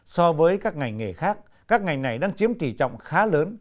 so với các ngành nghề khác các ngành này đang chiếm tỷ trọng khá lớn